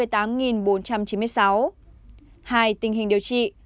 hai tình hình điều trị